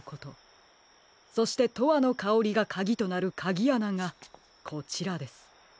そして「とわのかおり」がかぎとなるかぎあながこちらです。